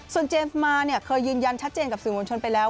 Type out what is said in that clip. ส่วนเจมส์มาเนี่ยเคยยืนยันชัดเจนกับสื่อมวลชนไปแล้ว